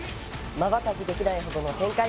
まばたきできないほどの展開